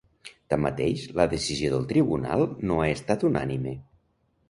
Tanmateix, la decisió del tribunal no ha estat unànime.